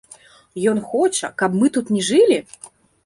Ён хоча, каб мы тут не жылі?